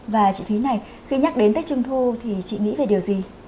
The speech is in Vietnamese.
và chị thúy này khi nhắc đến tết trung thu thì chị nghĩ về điều gì